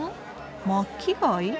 巻き貝？